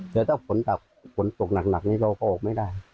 แต่ถ้าฝนตกหนักนี้เราก็ออกไม่ได้